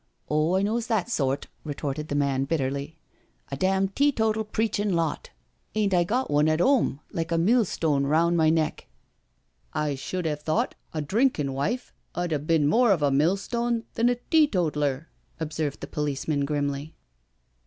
" Oh, I knows that sort," retorted the man bitterly. " A damn teetotal preachin' lot. ... Ain't I got one at 'ome like a millstone roun' my neck I "" I should 'ave thought a drinkin' wife 'ud a bin more of a millstone than a teetotler," observed the policeman grimly.